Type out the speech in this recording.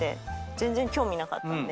全然興味なかったんで。